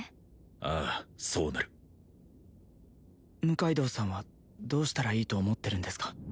ああそうなる六階堂さんはどうしたらいいと思ってるんですか？